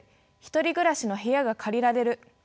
１人暮らしの部屋が借りられる。